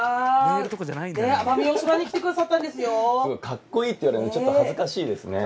格好いいって言われるのちょっと恥ずかしいですね。